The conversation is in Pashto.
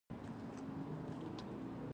هند د برټانیې له استعمار څخه خلاص شي.